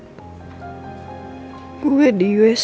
gue di usg untuk ngeliat anak gue